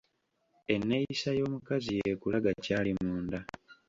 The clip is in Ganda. Enneeyisa y’omukazi yeekulaga ky’ali munda.